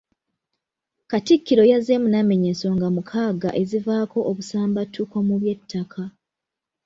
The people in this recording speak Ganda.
Katikkiro yazzeemu n’amenya ensonga mukaaga ezivaako obusambattuko mu by’ettaka.